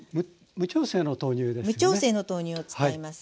無調整の豆乳を使います。